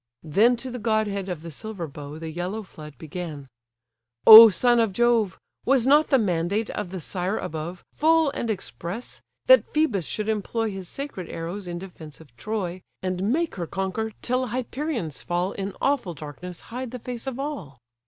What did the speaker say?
Then to the godhead of the silver bow The yellow flood began: "O son of Jove! Was not the mandate of the sire above Full and express, that Phœbus should employ His sacred arrows in defence of Troy, And make her conquer, till Hyperion's fall In awful darkness hide the face of all?"